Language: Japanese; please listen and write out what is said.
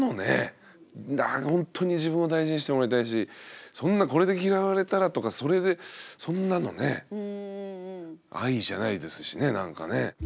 ほんとに自分を大事にしてもらいたいしそんなこれで嫌われたらとかそれでそんなのね愛じゃないですしねなんかね。